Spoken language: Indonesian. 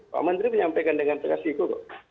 pak mandri menyampaikan dengan teras itu